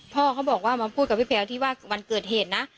พ่อเขาบอกว่ามาพูดกับพี่แพลวที่ว่าวันเกิดเหตุนะ